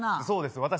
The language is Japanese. そうです